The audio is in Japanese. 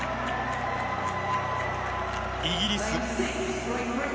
イギリス。